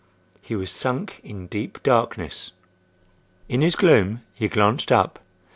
He was sunk in deep darkness. In his gloom he glanced up.